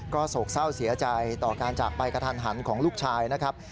โศกเศร้าเสียใจต่อการจากไปกระทันหันของลูกชายนะครับ